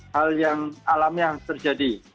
hal yang alami yang terjadi